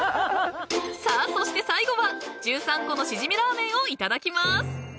［さあそして最後は十三湖のしじみラーメンをいただきます！］